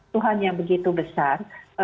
tuhan yang begitu besar